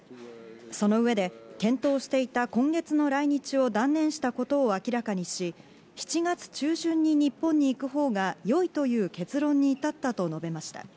その上で検討していた今月の来日を断念したことを明らかにし、７月中旬に日本に行くほうがよいという結論に至ったと述べました。